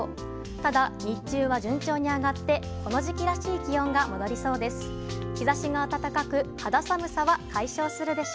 ただ、日中は順調に上がってこの時期らしい気温が戻りそうです。